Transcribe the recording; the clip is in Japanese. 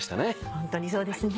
ホントにそうですね。